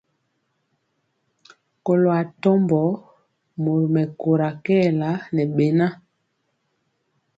Kɔlo atɔmbɔ mori mɛkóra kɛɛla ŋɛ beŋa.